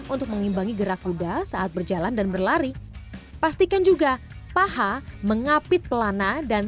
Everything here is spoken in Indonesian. untuk mengimbangi gerak kuda saat berjalan dan berlari pastikan juga paha mengapit pelana dan